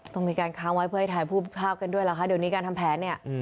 ต้องมีการค้างไว้เพื่อให้ถ่ายรูปภาพกันด้วยเหรอคะเดี๋ยวนี้การทำแผนเนี่ย